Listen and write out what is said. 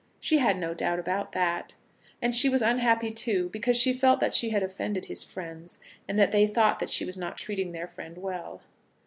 She had no doubt about that. And she was unhappy, too, because she felt that she had offended his friends, and that they thought that she was not treating their friend well.